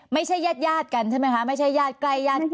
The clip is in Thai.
ไม่ใช่ญาติกันใช่ไหมคะไม่ใช่ญาติใกล้ญาติกัน